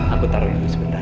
aku taruh dulu sebentar